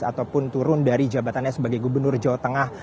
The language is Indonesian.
ataupun turun dari jabatannya sebagai gubernur jawa tengah